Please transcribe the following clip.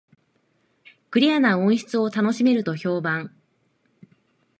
クリアな音質を楽しめると評判